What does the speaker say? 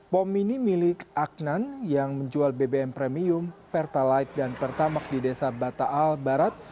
bom ini milik aknan yang menjual bbm premium pertalite dan pertamak di desa bataal barat